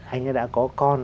anh ấy đã có con